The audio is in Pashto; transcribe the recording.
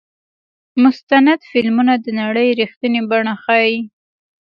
مستند فلمونه د نړۍ رښتینې بڼه ښيي.